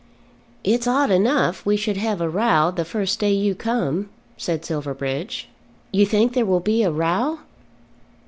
"It's odd enough we should have a row the very first day you come," said Silverbridge. "You think there will be a row?"